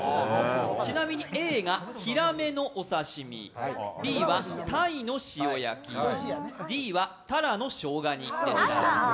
ちなみにＡがヒラメのお刺身、Ｂはタイの塩焼き、Ｄはタラのしょうが煮でした。